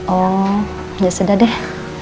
oh ya sudah deh